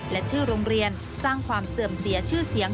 และชื่อโรงเรียนสร้างความเสื่อมเสียชื่อเสียง